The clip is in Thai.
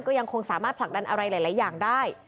ก็ยังคงสามารถผลักดันอะไรหลายอย่างได้